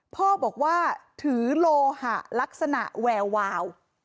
พ่อบอกว่าถือโลหะลักษณะแวววาว